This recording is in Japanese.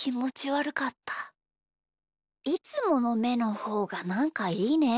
いつものめのほうがなんかいいね。